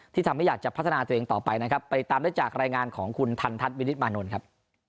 ที่ทำให้อยากจะพัฒนาตัวเองต่อไปนะครับไปตามได้จากรายงานของคุณทันทัศน์วินิตมานนท์ครับ